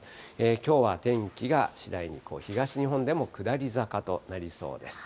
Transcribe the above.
きょうは天気が次第に東日本でも下り坂となりそうです。